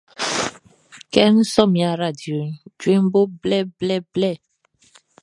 Kɛ n sɔ min aradioʼn, djueʼn bo blɛblɛblɛ.